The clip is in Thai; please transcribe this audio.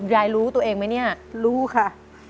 ยายรู้ตัวเองไหมเนี่ยรู้ค่ะ